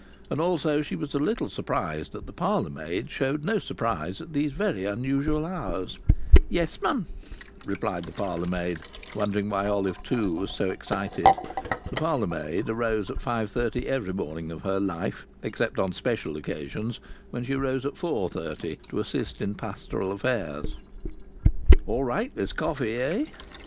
And also she was a little surprised that the parlour maid showed no surprise at these very unusual hours. "Yes'm," replied the parlour maid, wondering why Olive Two was so excited. The parlour maid arose at five thirty every morning of her life, except on special occasions, when she arose at four thirty to assist in pastoral affairs. "All right, this coffee, eh?"